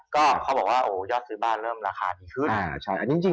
ก็เขาบอกว่าโอ้โหยอดซื้อบ้านเริ่มราคาดีขึ้น